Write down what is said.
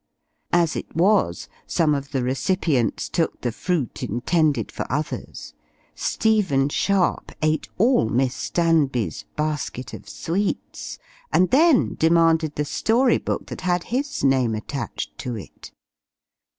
As it was, some of the recipients took the fruit intended for others: for instance, Stephen Sharp ate all Miss Standby's basket of sweets, and then demanded the story book that had his name attached to it.